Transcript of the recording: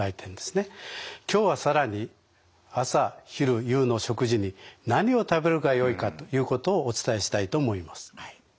今日は更に朝昼夕の食事に何を食べるがよいかということをお伝えしたいと思います。